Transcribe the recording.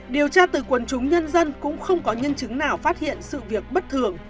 điều tra từ quần chúng nhân dân cũng không có nhân chứng nào phát hiện sự việc bất thường